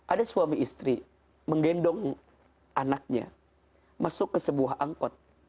ada suami istri menggendong anaknya masuk ke sebuah angkot